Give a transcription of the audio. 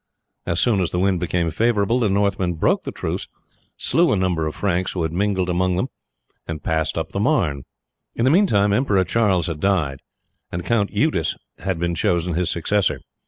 As soon as the wind became favourable the Northmen broke the truce, slew a number of Franks who had mingled among them, and passed up the Marne. In the meantime Emperor Charles had died and Count Eudes had been chosen his successor.